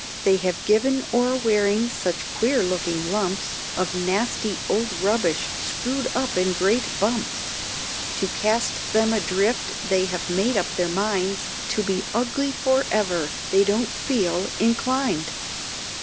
They have given o'er wearing such queer looking lumps Of nasty old rubbish screw'd up in great bumps, To cast them adrift they have made up their minds, To be ugly for ever they don't feel inclined.